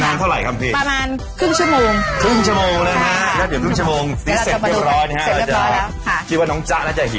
เท่าไหร่ครับพี่ประมาณครึ่งชั่วโมงครึ่งชั่วโมงนะฮะ